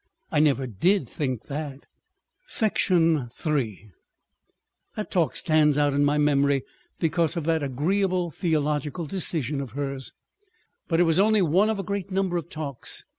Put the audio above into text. I never did think that. ..."§ 3 That talk stands out in my memory because of that agreeable theological decision of hers, but it was only one of a great number of talks.